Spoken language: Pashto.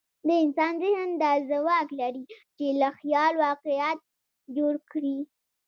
د انسان ذهن دا ځواک لري، چې له خیال واقعیت جوړ کړي.